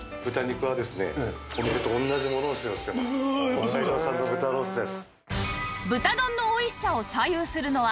北海道産の豚ロースです。